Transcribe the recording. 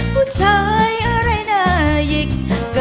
ผู้ชายอะไรน่าหยิก